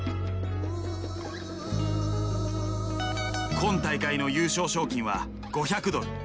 今大会の優勝賞金は５００ドル。